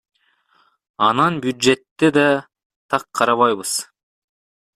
Анан бюджетте да так карабайбыз.